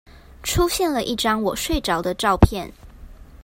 出現了一張我睡著的照片